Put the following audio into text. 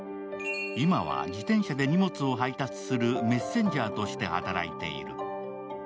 今は自転車で荷物を配達するメッセンジャーとして働いている。